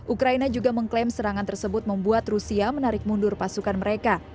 ukraina juga mengklaim serangan tersebut membuat rusia menarik mundur pasukan mereka